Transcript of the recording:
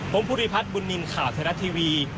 ผมภูริพัฒน์บุญนินทร์ข่าวไทยรัฐทีวี